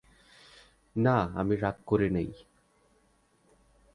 না আমি রাগ করে নেই।